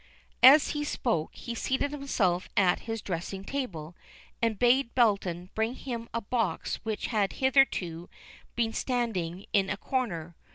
As he spoke he seated himself at his dressing table, and bade Belton bring him a box which had hitherto been standing in a corner.